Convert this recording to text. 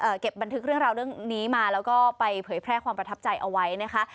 เก็บบันทึกเรื่องราวเรื่องนี้มาแล้วก็ไปเผยแพร่ความประทับใจเอาไว้นะคะ